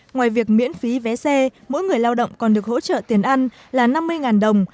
ngoài việc miễn phí vé xe mỗi người lao động còn được hỗ trợ tiền ăn là năm mươi đồng